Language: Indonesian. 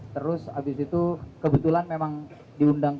terus habis itu kebetulan memang diundang